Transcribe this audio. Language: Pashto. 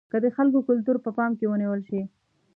که د خلکو کلتور په پام کې ونیول شي.